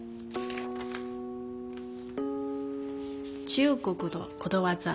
中国のことわざ。